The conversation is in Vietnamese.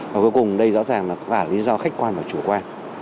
và cuối cùng đây rõ ràng là lý do khách quan và chủ quan